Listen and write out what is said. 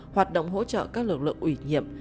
hoạt động hỗ trợ các lực lượng ủy nhiệm